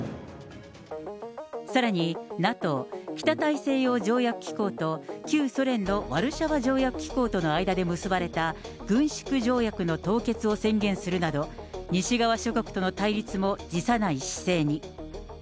さらに、ＮＡＴＯ・北大西洋条約機構と旧ソ連のワルシャワ条約機構との間で結ばれた軍縮条約の凍結を宣言するなど、西側諸国との対立も辞さない姿勢に。